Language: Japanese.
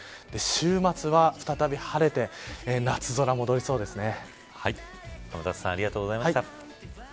週末は再び晴れて夏空、戻りそうですね。